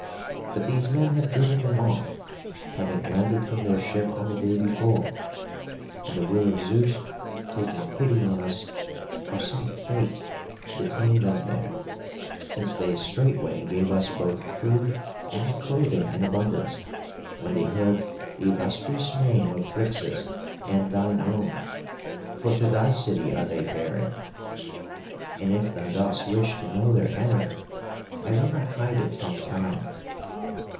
But these men had driven them off, having landed from their ship on the day before; and the will of Zeus taking pity on us, or some fate, detained them there, since they straightway gave us both food and clothing in abundance, when they heard the illustrious name of Phrixus and thine own; for to thy city are they faring. And if thou dost wish to know their errand, I will not hide it from time.